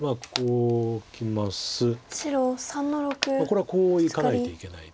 これはこういかないといけない。